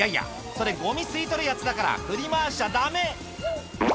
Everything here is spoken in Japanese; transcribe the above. それゴミ吸い取るやつだから振り回しちゃダメ！